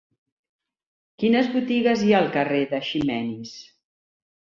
Quines botigues hi ha al carrer d'Eiximenis?